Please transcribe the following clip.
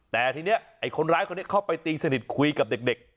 แต่ทีนี้ไอ้คนร้ายคนนี้เข้าไปตีสนิทคุยกับเด็ก